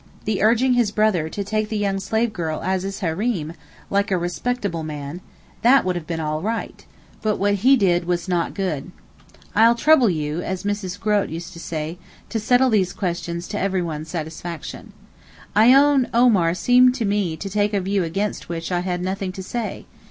—the urging his brother to take the young slave girl 'as his Hareem,' like a respectable man—that would have been all right; but what he did was 'not good.' I'll trouble you (as Mrs. Grote used to say) to settle these questions to everyone's satisfaction. I own Omar seemed to me to take a view against which I had nothing to say.